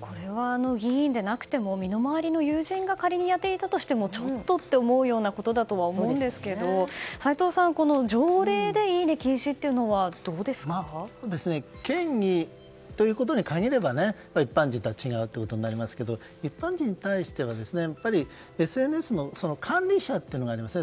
これは議員でなくても身の回りの友人が仮にやっていたとしてもちょっとって思うようなことだと思うんですが齋藤さん、条例でいいね禁止県議ということに限れば一般人とは違うということになりますが一般人に対してはＳＮＳの管理者っていうのがありますよね。